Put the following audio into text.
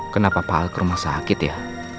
kenapa pak alkerum sakit ya